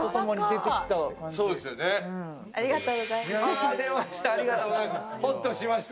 出ました、ありがとうございます。